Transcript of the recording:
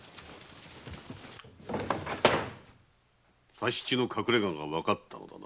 佐七の隠れ家がわかったのだな。